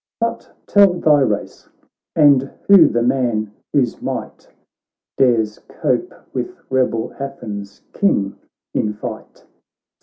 But tell thy race, and who the man whose might Dares cope with rebel Athens' King in fight.'